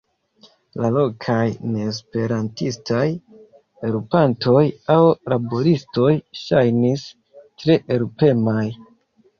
La lokaj neesperantistaj helpantoj aŭ laboristoj ŝajnis tre helpemaj.